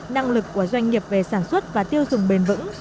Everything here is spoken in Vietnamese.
năng lực của doanh nghiệp về sản xuất và tiêu dùng bền vững